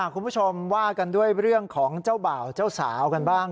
คุณผู้ชมว่ากันด้วยเรื่องของเจ้าบ่าวเจ้าสาวกันบ้าง